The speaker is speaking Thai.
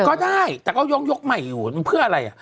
ก็ได้แต่ก็ยกใหม่อยู่เพื่ออะไร